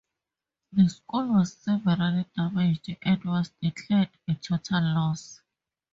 The school was severely damaged and was declared a total loss.